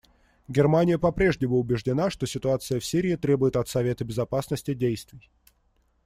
Германия по-прежнему убеждена, что ситуация в Сирии требует от Совета Безопасности действий.